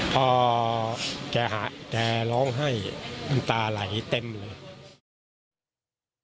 พอแกร้องไห้น้ำตาไหลเต็มเลย